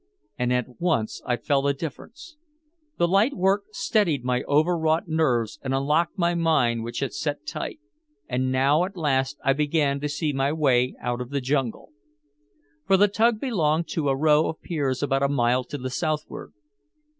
And at once I felt a difference. The light work steadied my overwrought nerves and unlocked my mind which had set tight. And now at last I began to see my way out of the jungle. For the tug belonged to a row of piers about a mile to the southward.